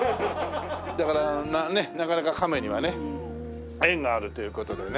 だからねなかなかカメにはね縁があるという事でね。